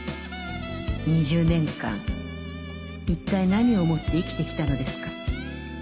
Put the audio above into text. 二十年間一体何を思って生きてきたのですか？